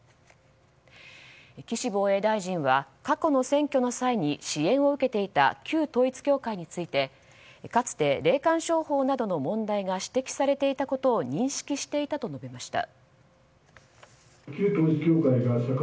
岸防衛大臣は過去の選挙の際に支援を受けていた旧統一教会についてかつて霊感商法などの問題が指摘されていたことを認識していたと述べました。